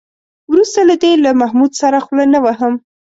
وروسته له دې له محمود سره خوله نه وهم.